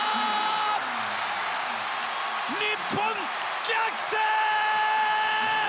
日本、逆転！